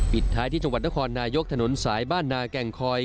ท้ายที่จังหวัดนครนายกถนนสายบ้านนาแก่งคอย